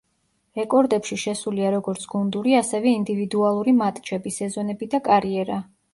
რეკორდებში შესულია როგორც გუნდური, ასევე ინდივიდუალური მატჩები, სეზონები და კარიერა.